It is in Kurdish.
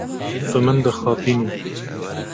Tu min dixapînî.